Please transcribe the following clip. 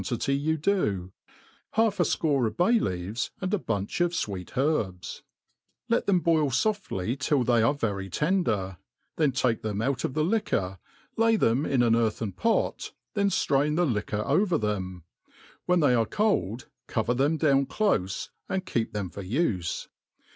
tity you do, half a fco^ bay leaves, and a bunch of fweet hei; bs. Let them boil foftly till they are very tender, then take them out of the. liquor, lay them in an earthen pot, then flrain the liquor over them ; when they are cold, cover thqm down clofe and keep them for ufe.